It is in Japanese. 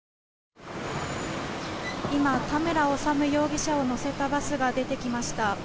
今、田村修容疑者を乗せたバスが出てきました。